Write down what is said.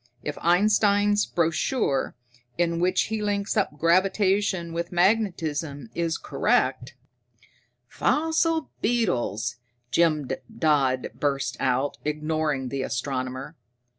If Einstein's brochure, in which he links up gravitation with magnetism, is correct " "Fossil beetles!" Jim Dodd burst out, ignoring the astronomer.